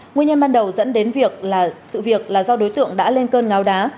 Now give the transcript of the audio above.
nguyên nhân ban đầu dẫn đến sự việc là do đối tượng đã lên cơn ngáo đá